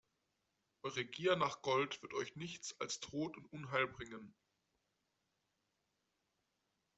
Eure Gier nach Gold wird euch nichts als Tod und Unheil bringen!